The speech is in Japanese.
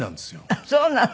あっそうなの。